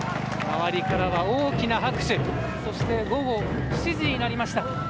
周りからは大きな拍手そして、午後７時になりました。